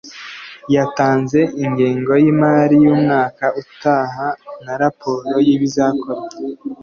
yatanze ingengo y’imari y’umwaka utaha na raporo yibizakorwa